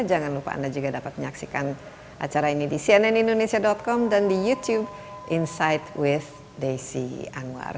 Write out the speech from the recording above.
jangan lupa anda juga dapat menyaksikan acara ini di cnnindonesia com dan di youtube insight with desi anwar